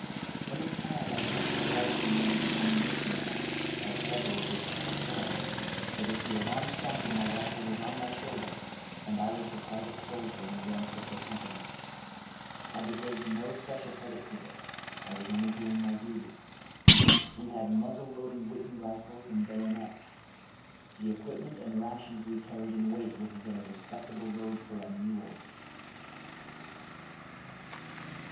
When in camp I kept my rifle in one of the ammunition wagons (of several of which I had charge), but if the alarm sounded my rifle was on my shoulder and I was the private soldier in the ranks of the company. I deserved no special credit for this. I was only doing my duty. We had muzzle loading Whitney rifles and bayonets. The equipment and rations we carried in weight would have been a respectable load for a mule.